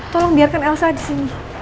tolong biarkan elsa disini